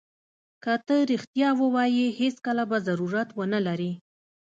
که ته رښتیا ووایې هېڅکله به ضرورت ونه لرې.